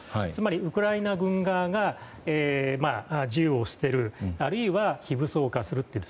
つまりウクライナ軍側が銃を捨てるあるいは非武装化する。